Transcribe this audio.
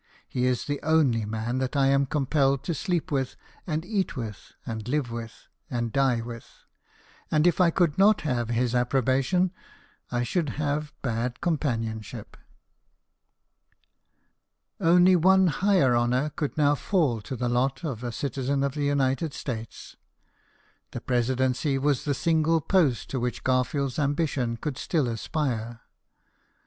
He is the only man that I am compelled to sleep with, and eat with, and live with, and die with ; and if I could not have his approbation I should have bad companionship." Only one higher honour could now fall to the lot of a citizen of the United States. The presidency was the single post to which Gar field's ambition could still aspire.